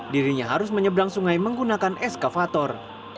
dirinya harus menyeberang sungai menggunakan eskavator